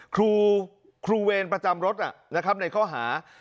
ครูครูเวนประจำรถในข้อหา